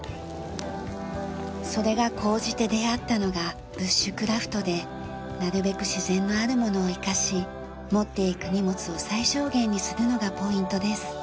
それが高じて出会ったのがブッシュクラフトでなるべく自然のあるものを生かし持っていく荷物を最小限にするのがポイントです。